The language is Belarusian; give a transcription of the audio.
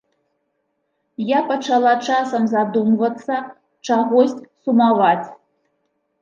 Я пачала часам задумвацца, чагось сумаваць.